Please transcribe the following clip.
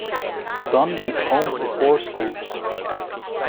Dunn is home to four schools.